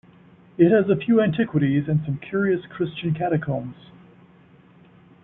It has a few antiquities and some curious Christian catacombs.